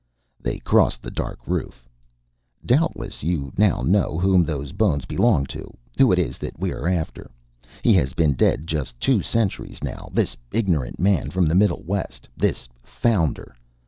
They crossed the dark roof. "Doubtless you now know whom those bones belonged to, who it is that we are after. He has been dead just two centuries, now, this ignorant man from the Middle West, this Founder.